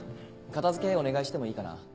片付けお願いしてもいいかな？